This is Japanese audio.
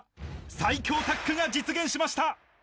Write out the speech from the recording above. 最強タッグが実現しました。